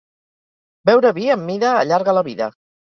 Beure vi amb mida allarga la vida.